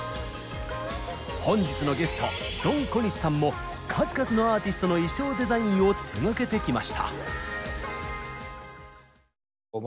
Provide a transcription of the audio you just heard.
本日のゲストドン小西さんも数々のアーティストの衣装デザインを手がけてきました！